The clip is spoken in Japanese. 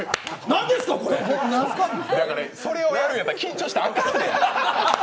それをやるんやったら、緊張したらあかんねん！